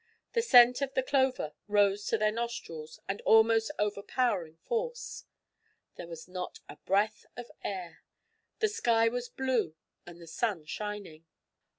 The scent of the clover rose to their nostrils with almost overpowering force. There was not a breath of air. The sky was blue and the sun shining.